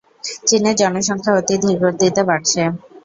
চীনের জনসংখ্যা অতি ধীরগতিতে বাড়ছে।